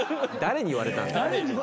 誰に言われたんだよ。